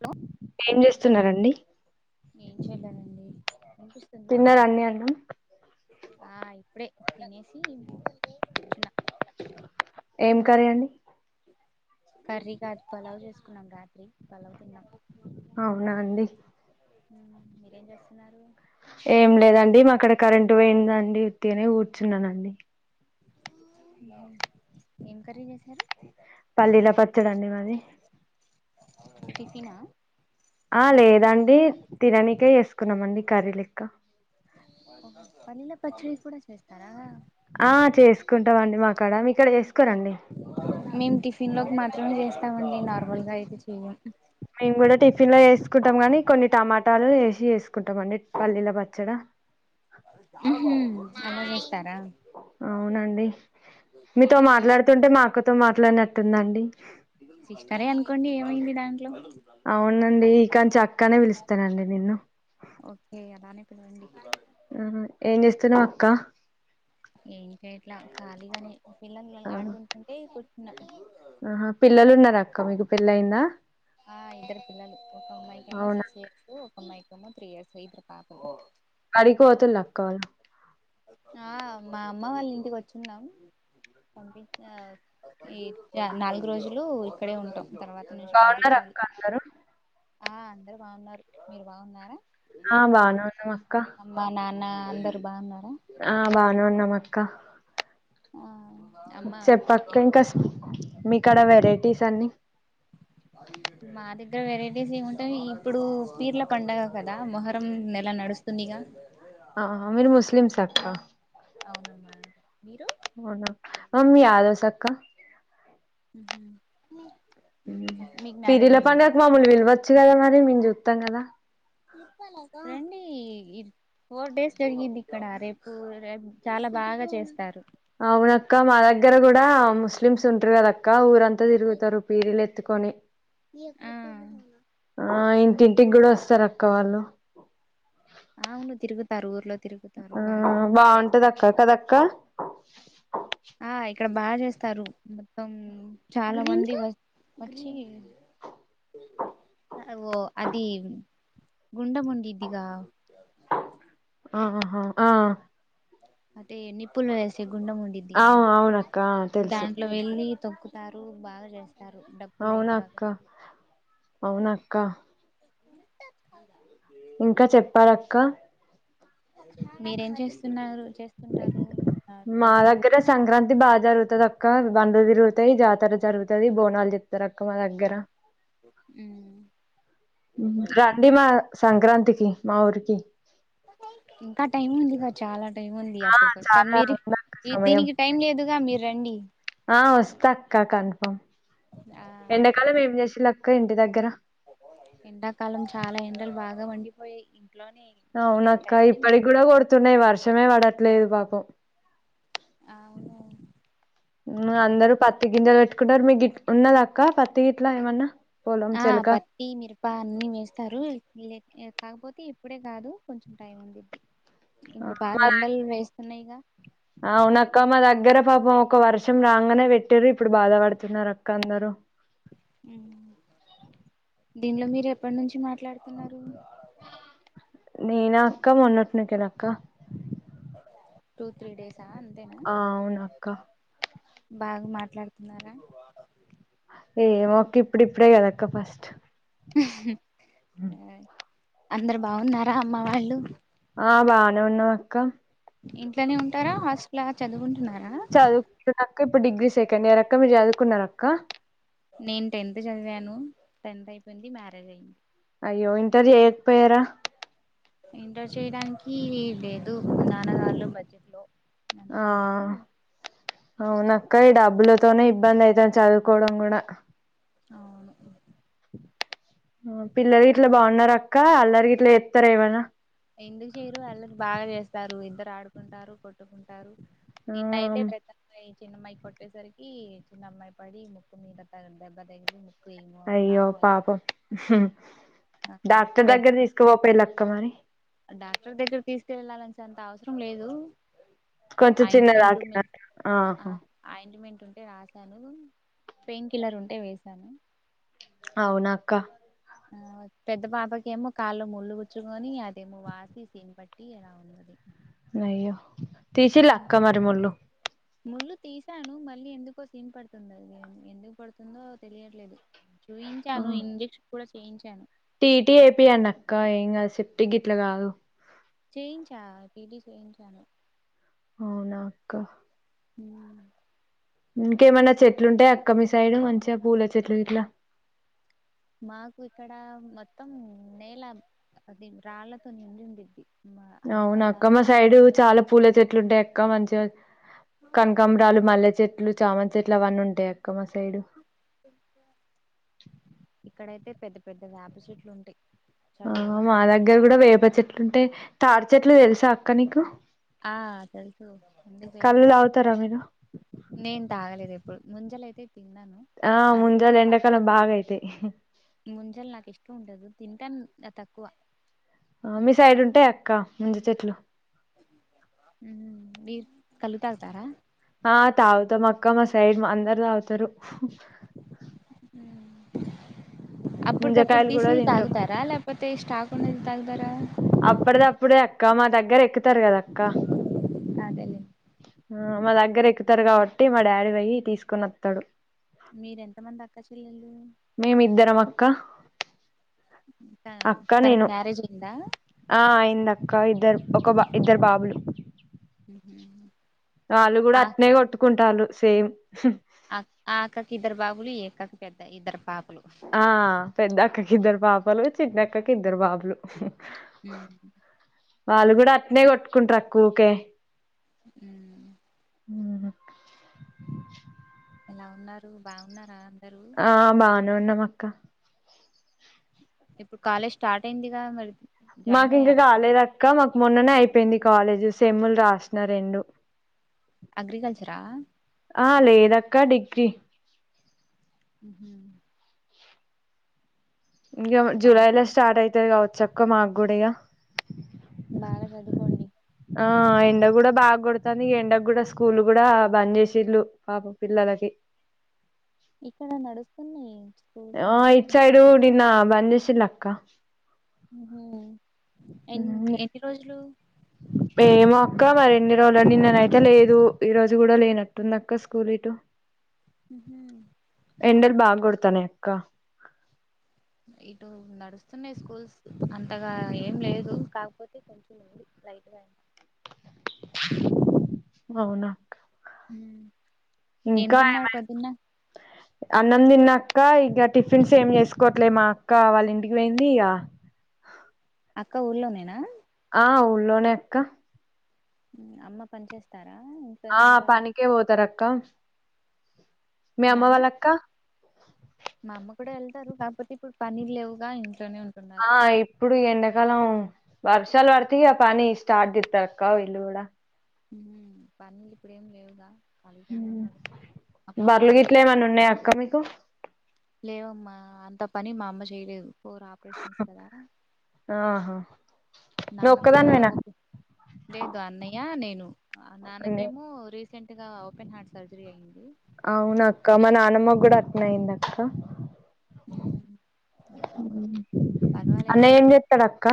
Hello ఏం చేస్తున్నారంండి ఏం చేయలేనండి తిన్నారా అన్నయ్య అళ్ళు ఆ ఇప్పుడే తినేసి కూర్చున్నా ఏం కర్రీ అండి కర్రీ కాదు పలావ్ చేసుకున్నాం రాత్రి పలావు తిన్నాం అవునా అండి ఊ మీరేం చేస్తున్నారు ఏం లేదండి మా కాడ కరెంట్ పొయిందండి ఉత్తిగనే కూర్చున్నానండి మామ్ ఏం కర్రీ చేశారు పల్లీల పచ్చడండి మాది టిఫినా ఆ లేదాండి తిననికే చేసుకున్నామండి కర్రీ లెక్క అవునా పలిల్ల పచ్చడి కూడా చేేస్తారా ఆ చేసుకుంటమండి మా కాడ మీ కాడ చేసు మేము టిఫిన్ లోకి మాత్రమే చేస్తామండి నార్మల్ గా అయితే చెయ్యం మేము కూడా టిఫిన్ లో ఏసుకుంటాం గానీ కొన్ని టమాటాలు వేసి వేసుకుంటాం అండి పల్లీల పచ్చడా ఊహు అవును అవునండి మీతో మాట్లాడుతుంటే మా అక్కతో మాట్ ట్లాడినట్టుందండి సిస్టరే అనుకోండి ఏమైంది దాంట్లో అవునండి ఇ కాం చక్కనే పిలుస్తానండి నిను ఇవ్వండి ఊ ఏం చేస్తున్నావ్ అక్క ఏం కే ఇట్లా ఖాళీగా నే పిల్లలు ఆడుకుంటుంటే కూచున ఆ పిల్లలు ఉన్నార అక్క మీకు పెళ్ల్లయిందా ఆ ఇద్దరు పిల్లలు ఒక అమ్మాయికేమో సిక్స్ ఇయర్స్ ఒక అమ్మాయికేమో త్రీ ఇయర్స్ ఇద్దరు పాపలు బడికి పోతుల్ల అక్క వాళ్లు ఆ మా అమ్మ వాళ్ళ ఇంటికి వచ్చున్నాం పంపించ ఈ నాలుగు రోజులు ఇక్కడే ఉంటాం తర్వాత నుంచి బాగున్నార పంపించాలి అక్క అందరూ ఆ అందరు బాగున్నారు మీరు బాగున్నారా ఆ బాగనే వున్నాం అక్క అమ్మ నాన్న అందరు బాగున్నారు ఆ బానే ఉన్నాం అక్క ఆ అమ్మ చెప్పక ఇంకాస్ మీ కాడ వెరైటీస్ అన్ని మా దగ్గర వెరైటీస్ ఏముంటాయి ఇప్పుడు పీర్ల పండగ కదా మొహరం నెల నడు వస్తుందిగా ఆ మీరు ముస్లిమ్స్ ఆ అక్కా అవునమ్మా మీరు అవునా అ మీ యాదవ్ సక్కా ఊ ఊ పిరిల పండకు మమ్మల్ని విలవచ్చు కదా మరి మేము చూతాం కదా రండి ఇప్ ఫోర్ డేస్ జరిగింది ఇక్కడ రేపు రేప్ చాలా బాగా బాగా చేస్తారు అవునక్క మా దగ్గర కూడా ముస్లిమ్స్ ఉంటారు కదక్క ఊరం త తిరుగుతరు పీరీలు ఎత్తుకొని ఆ ఆ ఇ ఇంటికి కూడా వస్తారు అక్క వాళ్ళు అవును తిరుగుతారు ఊర్లో ద్ ఊ బాగుంటది అక్క కదక్క ఆయ్ ఇక్కడ బాగా జేస్తారు మొత్తం చాలా మంది వచ్చి [inaudible] అ ఓ అది గుండం ముండిదిగా ఆహా ఆ అదే నిప్పులు వేసే గుండెం వుండిద్దిగా అవునక్క తెలుసు దాంట్లో వెళ్ళి తొక్కుతారు బాగా జేస్తారు అవునక్క అవునక్క ఇంకా చెప్పాలక్క మీరేం చేస్తున్నారు చేస్తుంటారు మా ప్రజెంట్ దగ్గర సంక్రాంతి బాగా జరుగుతది అక్క బండ్లు తిరుగుతాయి జాత ర జరుగుతది బోనాలు ద్ద రక్క మా దగ్గర రండి మా సంక్రాంతికి మా ఊరికి ఇంకా టైం ఉంది గా చాలా టైం ఉంది ఆ అప్పటికొస్త చాలా మీరు ఉందక్క ఈ సమయం దీనికి టైం లేదుగా మీరు రండి ఆ వస్తా అక్క కన్ఫామ్ ఆ ఎండాకాలం ఏం జేసిలక్క ఇంటి దగ్గర ఎండాకాలం చాలా ఎండలు బాగా మండిపోయాయి ఇంట్లోనే నేను అవునక్క టైలరింగ్ ఇప్పటికి గూడా కొడుతున్నాయి వర్షమే పడట్లేదు పాపం అవును ఉమ్ అందరూ పత్తి గింజలు పెట్టుకుంటరు మీ గిట్ ఉన్నదా అక్క పత్తి గిట్లా ఏమన్నా పొలం ఆ చెలక పత్తి మిరప అన్ని వేస్తారు కాకపోతే ఇప్పుడే కాదు కొంచెం టైం ఉండిది ఆ, ఇప్పుడు మా బాగా దగ్- ఎండలు వేస్తున్నాయిగా అవునక్క మా దగ్గర పాపం ఒక వర్షం రాగానే పెట్టిరు ఇప్పుడు బాధపడుతున్నారు అక్క అందరూ దీనిలో మీరు ఎప్పటి నుంచి మాట్లాడుతున్నారు నేనా అక్క మొన్నటి నుంచే అక్క టూ త్రీ డేస్ ఆ అవును అక్క బాగా మాట్లాడుతున్నారా ఏమో అక్క ఇప్పుడిప్పుడే కదక్క ఫస్ట్ హూ అందరు బాగున్నారా అమ్మ వాళ్ళు ఆ బాగానే ఉన్నాం అక్క ఇంట్లనే ఉంటారా హాస్టలా చదువుకుంటున్నారా చదువుకుంటున్నా అక్క ఇప్పుడు డిగ్రీ సెకండ్ ఇయర్ అక్క మీరు చదువుకున్నార అక్క నేను టెన్త్ చదివాను టెన్త్ అయిపోయింది మ్యారేజ్ అయింది అయ్యో ఇంటర్ చేయకపోయారా ఇంటర్ చేయడానికి లేదు నాన్నగారుల్లో బడ్జెట్ లో ఆ అందుకనేసి అవునా అక్క ఈ డబ్బులతోనే ఇబ్బంది అయితది చదువుకోవడం కూడా అవును పిల్లలు గిట్లా బాగున్నార అక్క అల్లరి గిట్లా జేత్తర ఏమన్నా ఎందుకు జేయరు అల్లరి బాగా జేస్తారు ఇద్దరు ఆడుకుంటారు కొట్టుకుంటారు ఆ నేను నైటే పెద్దమ్మాయి చిన్నమ్మాయి కొట్టేసరికి చిన్నమ్మాయి పడి ముక్కు మీద దెబ్బ దగిలి ము అయ్యో పాపం డాక్టర్ పెద్ద దగ్గర తీసుకుపోపోయ్ లక్క మరి డాక్టర్ దగ్గర తీసుకెళ్ళాలనేసి నంత అవసరం లేదు కొంచం ఆయింట్మెంట్ చిన్నదాక ఆహా [unintelligible] టే రాసాను పెయిన్ కిల్లర్ ఉంటే వేసాను అవునా అక్క ఆ పెద్ద పాపకెమో కాళ్ళు ముళ్ళు కుచ్చుకొని అదేమో వాసి సీమ్ పట్టి అలా వుంది అయ్యో తిసిల్ల అక్క మరి మల్లు ముళ్ళు తీసాను మళ్ళీ ఎందుకో సీమ్ పడుతుంది అది ఎందుకు పడుతుందో తెలియట్లేదు ఆ చూయించాను ఇంజక్షన్ కూడా చేయించాను టీటీ ఎపియండి అక్క ఏం కాదు సేప్టిక్ గిట్లా కాదు చేయించా టీ టీ చేయించాను అవునా అక్క ఉం ఇంకేమైన చెట్లు ఉంటాయి అక్క మీ సైడ్ మంచిగా పూల చెట్లు ఇట్లా మాకు ఇక్కడ మొత్తం నేల అది రాళ్ళతో నిండి ఉండిడిద్ది అవునా అక్క మా సైడు చాలా పూల చెట్లు ఉంటాయి అక్క మంచిగా కనకాంబ్రాలు మల్లె చెట్లు చామంతి చెట్లు అవన్నీ ఉంటాయి అక్క మా సైడు ఇక్కడైతే పెద్ద పెద్ద వేప చెట్లు ఉంటాయి ఆ మా చల్లగా దగ్గర కూడా వేప చెట్లు ఉంటయి తాడి చెట్లు తెలుసా అక్క నీకు ఆ తెలుసు ఎందుకు కళ్ళు తెలువదు తాగుతారా మీరు నేను తాగ లేదు ఎప్పుడు ముంజలయి ఆ ముంజలు ఎండాకాలం బాగా అయితయి ముంజలు నాకు ఇష్టం ఉండదు తింటాం తక్కువ ఆ మీ సైడ్ ఉంటయి అక్క ముంజ చెట్లు ఉం బీర్ కల్లు తాగుతార ఆ తాగుతామ్ అక్క మా సైడ్ అందరు తాగు తరు అప్పుటికప్పుడు తీసినయి తింటాం తాగుతారా లేకపోతే స్టాక్ ఉన్నది తాగుతారా అప్పటిదప్పుడే అక్క మా దగ్గర ఎక్కుతారు కదా అక్క అదేలే మా దగ్గర ఎక్కుతారు కాబట్టి బట్టి మా డాడీ పోయ్యి తీసుకోని వత్తడు మీరెంతమంది అక్క చెల్లెళు కా తనకి మ్యారేజ్ అయిందా ఆ అయిందక్క ఇద్దరు ఒక బా ఇద్దరు బాబులు ఉ వాళ్ళు కూడా అట్నే కొట్టుకుంటాల్లు సేమ్ ఆ ఆ అక్కకి ఇద్దరు బాబులు ఈ అక్కకి పెద్ద ఇద్దరు పాపలు ఆ పెద్ద అక్కకి ఇద్దరు పాపలు చిన్న అక్కకి ఇద్దరు బాబులు ఉం వాళ్ళు కూడా అట్నే కొట్టుకుంటారు ఊకె అ అవునా ఎలా ఉన్నారు బాగున్నారా అందరూ ఆ బానే ఉన్నాము అక్క ఇప్పుడు కాలేజ్ స్టార్ట్ అయిందిగా మరి జాయిన్ మాకు ఇంకా అయ్యారా అక్కడ కాలేదక్క మాకు మొన్ననే అయిపోయింది కాలేజీ సేమ్ముల్ రాసిన రెండు అగ్రికల్చరా ఆ లేదక్క డిగ్రీ హ ఇంగేమో బాగా జూలై లో స్టార్ట్ అయితయి కావచ్చక్క మాక్ గుడి ఇగ బాగా చదువుకోండి ఆ ఎండ గూడా బాగ్ కొడుతంది. ఈ ఎండ గూడా స్కూల్లు కూడా బంద్ చేసిల్లు పాపం పిల్లలకి. ఇక్కడ నడుస్తున్నాయి స్కూల్స్ ఆ ఇట్ నడుస్తున్నాయి సైడు నిన్న బధసిలక్క బంద్చేసిలక్క హు ఎన్ ఎన్ని రోజులు అ ఏమో అక్క మరి ఎన్ని రోజుల నిన్ననేతే లేదు ఈ రోజు గుడా లేనట్టుందక్క స్కూల్ ఇటు. ఉహు ఎండలు బాగ్ కొడతానాయక్క. ఇటు నడుస్తున్నాయి, స్కూల్స్ అంతగా ఏం లేదు కాక్పోతే కొంచె [unintelligible] డి. లైట్ గా అయ్యి [unintelligible] అవునాక్క ఉ ఏం తిన్నావు ఏమై పొద్దున్న అన్నం తిన్నాక్క ఇగ్గ టిఫిన్స్ ఏం చేసుకోవట్లే, మా అక్క వాళ్ళ ఇంటికి పోయింది ఇగ. హ అక్క ఊర్లోనేనా ఆ ఊళ్లోనేక్క ఉ అమ్మ పన్ చేస్తా ఆ పనికే పోత రక్క మీ అమ్మ నాన్న వాళ్ళక్క ఇప్పుడేళ్తారు కాక్పోతే ఇప్పుడు పనీల్ లేవుగా ఇంట్ల ఆ ఇప్పుడు ఎండాకాలం వర్షాలు వడితిగా పని స్టార్ట్ జేత్తరక్కా విల్లు గూడా మ్ పన్లి ఇప్పుడేమ్ లేవుగా ఖాళీగానే మ్ ఉన్నారు అమ్మ వాళ్ళ బర్లు ఇల్లు గిట్లే ఏమన్నా ఉన్నాయక్క మీకు లేవమ్మా అంతం పని మా అమ్మ చేయలేదు పోర్ ఆపరేషన్స్ కదా ఆహా నువ్వు నాన్న కూడా ఓప్ ఒక్కదానివేనా లేదు, అన్నయ్య నేను ఆ నాన్నకేమో రీస్. సెంట్ గా ఓపె హార్ట్ సర్జరి అయ్యిం అవునక్క మా నానమ్మ గూడా అట్నే అయ్యిందక్క హు ఇప్పుడుకు పర్వాలేదు అన్నయ్య ఏం చేస్తాడు అక్క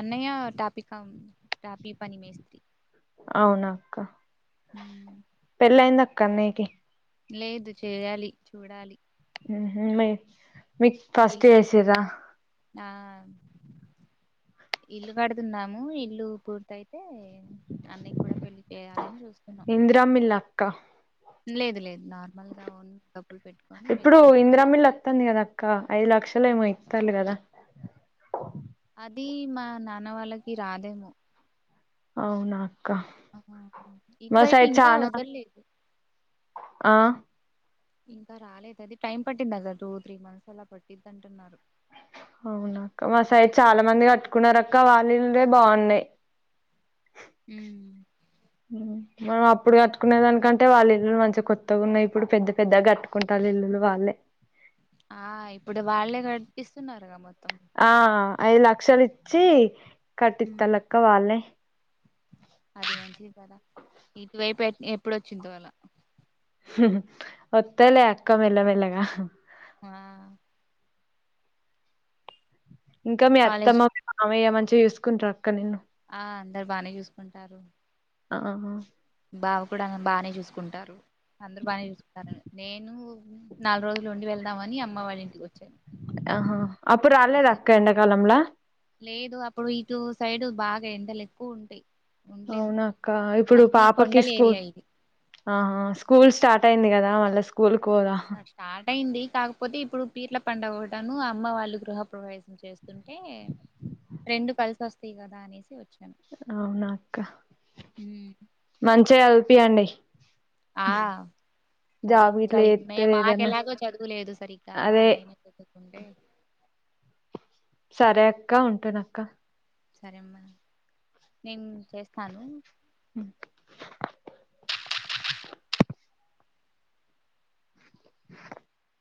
అన్నయ్య టాపిక్. కం టాపీ పని మేస్తి అవునాక్క హు పెళ్లయిందక్క అన్నయ్యకి లేదు చెయ్యాలి చూడాలి ఉహు మీ మీక్ ఫస్ట్ చేసిర్రా ఆమ్ ఇల్లు కడుతున్నాము ఇల్లు పూర్త. అయితే అన్నయ కూడా పెళ్లి చేయాలని చూస్తున్నాం ఇందిరామిల్లు అక్క లేదు లేదు నార్మల్గా ఉ ఇప్పుడు ఇందిరమ్మ ఇళ్ళు వత్తంది కదా అక్క ఐదు లక్షలు లు ఏమో ఇత్తల్లు కదా అది మా నాన్న వాళ్ళకి రాదేమో అవునా అక్క ఆహా మా ఇటువైపు సైడ్ ఇంకా చాలా మంది వదలలేదు ఆ ఇంకా రాలేదు అది టైం పట్టింది కదా టూ త్రీ మంత్స్ అలా పట్టిది అంటున్నారు అవునా అక్క మా సైడ్ చాలా మంది కట్టుకున్నారు అక్క వాళ్ళిల్లు బాగున్నాయి ఉం మనం అప్పుడు కట్టుకునే దానికంటే వాళ్ళ ఇల్లులు మంచి కొత్తగా ఉన్నాయి ఇప్పుడు పెద్ద పెద్దగా కట్టుకుంటారు ఇల్లులు వాళ్ళే ఆ ఇప్పుడు వాళ్ళే కట్టిపిస్తున్నారుగా మొత్తం ఆ ఐదు లక్షలు ఇచ్చి కట్టిత్త హ్మ్. లక్క వాళ్ళే అది మంచిది కదా ఇటువైపు ఎ ఎప్పుడు వచ్చిద్దో అలా వత్తయిలే అక్క మెల్ల మెల్లగా ఆ ఇంకా మీ కాలేజ్ అత్తమ్మ మీ మామయ్య మంచిగా చూసుకుంటార, అక్క నిన్ను ఆ అందరు బానే చూసుకుంటారు. ఆహా బావ కూడా బానే చూసుకుంటారు. అందరు బానే చూసుకుంటారు నేను నాలుగు రోజులు ఉండి, వెళ్దామని అమ్మ వాళ్ళ ఇంటికి వచ్చి, ఆహా అప్పుడు రాలేదు అక్క ఎండా కాలంలా లేదు అప్పుడు ఇటు సైడ్ బాగా ఎండలు ఎక్కువ ఉంటాయి, అవునా అక్క ఇప్పుడు పాపకి కొండల స్కూల్ ఏరియా ఇది. ఆహా స్కూల్ స్టార్ట్ స్టార్ట్ అయింది కదా మాల్ల స్కూల్ కు పోదా అట్లా స్టార్ట్ అయింది, కాకపోతే ఇప్పుడు పీర్ల పండగ ఒకటను, అమ్మ వాళ్ళు గృహ ప్రవేశ చేస్తుంటే రెండు కలిసి వస్తాయి, కదా అనేసి వచ్చి అవునా అక్క మ్మ్ మంచిగా చదువుపియండి ఆ గిట్ల చదివించాలి మే చేత్తది మాకు ఏదన్నా ఎలాగో చదువులేదు సరిగ్గా అదే వాళ్ళైనా చదువుకుంటే [unintelligible] సరే అక్క ఉంటున అక్క సరే అమ్మా నేను చేస్తాను, [unintelligible]